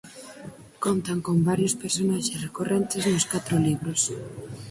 Contan con varios personaxes recorrentes nos catro libros.